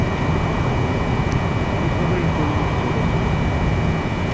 কীভাবে এই পরিণতি হলো আমাদের?